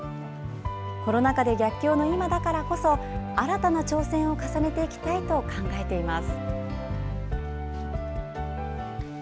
コロナ禍で逆境の今だからこそ新たな挑戦を重ねていきたいと考えています。